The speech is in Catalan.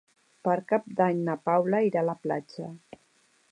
Per Cap d'Any na Paula irà a la platja.